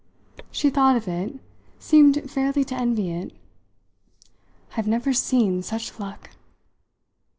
She thought of it; seemed fairly to envy it. "I've never seen such luck!"